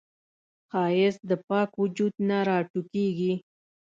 ښایست د پاک وجود نه راټوکېږي